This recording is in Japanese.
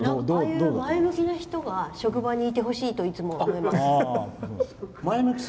ああいう前向きな人が職場にいてほしいといつも思います。